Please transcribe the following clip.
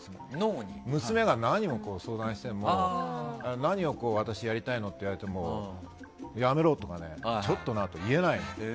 娘が何を相談しても私、何をやりたいのって言われてもやめろとかちょっとなって言えないの。